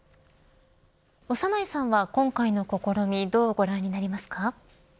長内さんは今回の試みどうご覧になりますか。